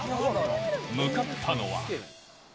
向かったのは。